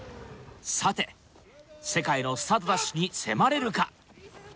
さて世界のスタートダッシュに迫れるか？